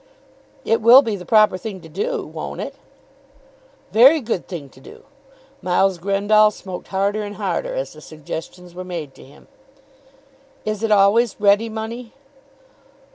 "It will be the proper thing to do; won't it?" "Very good thing to do!" Miles Grendall smoked harder and harder as the suggestions were made to him. "Is it always ready money?"